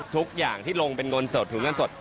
ทุกอย่างที่ลงเป็นเงินสดถุงเงินสด